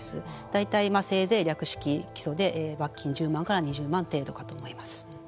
大体せいぜい略式起訴で罰金も１０万から２０万程度かと思います。